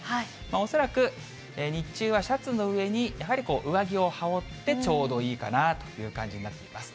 恐らく日中はシャツの上にやはり上着を羽織ってちょうどいいかなという感じになっています。